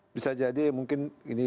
bisa jadi mungkin